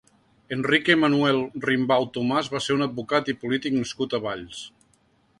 Enrique Manuel-Rimbau Tomás va ser un advocat i polític nascut a Valls.